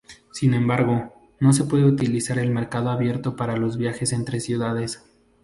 Sin embargo, no se puede utilizar el mercado abierto para los viajes entre ciudades.